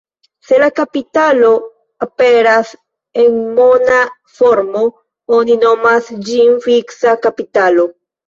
Se la kapitalo aperas en mona formo, oni nomas ĝin fiksa kapitalo.